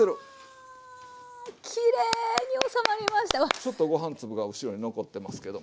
ちょっとご飯粒が後ろに残ってますけども。